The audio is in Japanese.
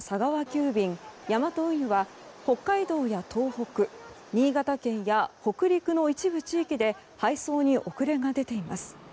急便ヤマト運輸は北海道や東北、新潟県や北陸の一部地域で配送に遅れが出ています。